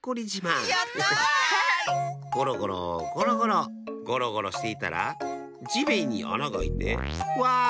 ゴロゴロゴロゴロゴロゴロしていたらじめんにあながあいてわ！